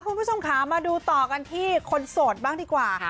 คุณผู้ชมค่ะมาดูต่อกันที่คนโสดบ้างดีกว่า